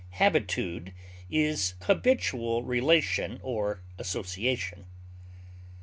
Habitude is habitual relation or association.